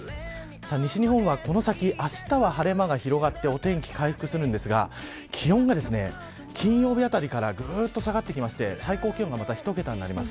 西日本は、この先、あしたは晴れ間広がってお天気回復するんですか気温が金曜日あたりからぐっと下がってきまして最高気温がまた１桁になります。